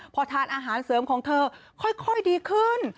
พอทานอาหารเสริมของเธอค่อยดีขึ้น